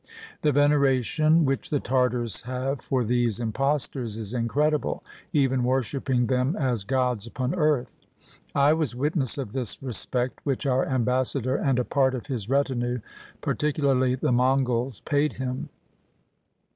The venera tion which the Tartars have for these impostors is in credible, even worshiping them as gods upon earth. I was witness of this respect which our ambassador and a part of his retinue, particularly the Mongols, paid him.